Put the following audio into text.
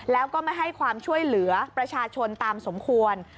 แล้วก็ไม่ให้ความช่วยเหลือประชาชนตามสมควร